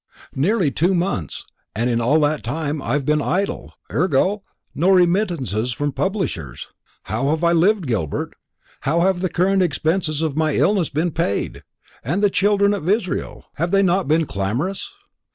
"Nearly two months; and in all that time I have been idle ergo, no remittances from publishers. How have I lived, Gilbert? How have the current expenses of my illness been paid? And the children of Israel have they not been clamorous?